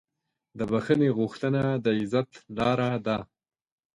د بښنې غوښتنه د عزت لاره ده.